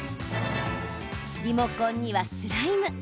リモコンにはスライム。